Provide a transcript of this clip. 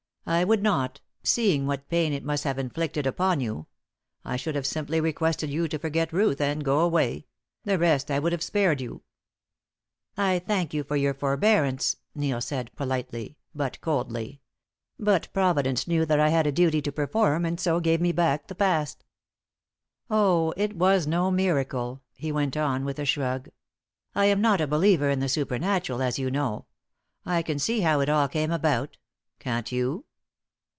"I would not, seeing what pain it must have inflicted upon you. I should have simply requested you to forget Ruth, and go away; the rest I would have spared you." "I thank you for your forbearance," Neil said, politely, but coldly. "But Providence knew that I had a duty to perform, and so gave me back the past. Oh, it was no miracle!" he went on, with a shrug. "I am not a believer in the supernatural, as you know. I can see how it all came about. Can't you?"